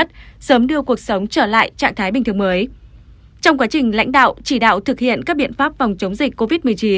trong quá trình lãnh đạo chỉ đạo thực hiện các biện pháp phòng chống dịch covid một mươi chín